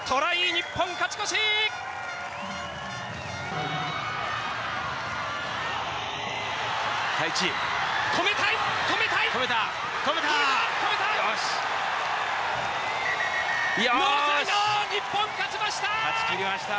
日本、勝ちました！